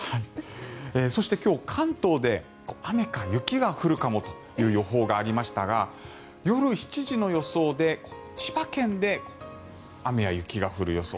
そして、今日は関東で雨か雪が降るかもという予報がありましたが夜７時の予想で千葉県で雨や雪が降る予想。